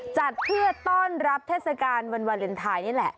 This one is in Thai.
จัดเพื่อต้อนรับเทศกาลวันวาเลนไทย